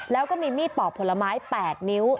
แล้วก็มีมีดปอกผลไม้๘นิ้ว